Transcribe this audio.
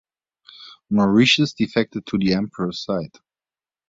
Mauritius defected to the Emperor's side.